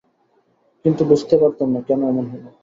কিন্তু বুঝতে পারতাম না, কেন এমন হল।